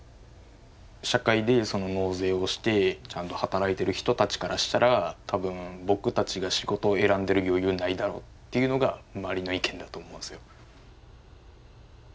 社会で納税をしてちゃんと働いてる人たちからしたら多分僕たちが仕事を選んでる余裕ないだろっていうのが周りの意見だと思うんですよ。